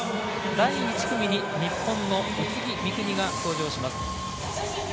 第１組に日本の宇津木美都が登場します。